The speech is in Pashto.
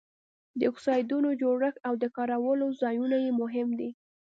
د اکسایډونو جوړښت او د کارولو ځایونه یې مهم دي.